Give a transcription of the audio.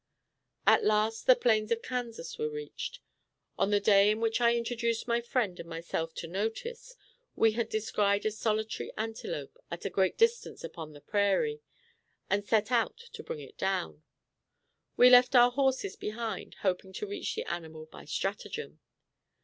At last, the plains of Kansas were reached. On the day in which I introduce my friend and myself to notice, we had descried a solitary antelope at a great distance upon the prairie, and set out to bring it down. We left our horses behind, hoping to reach the animal by stratagem.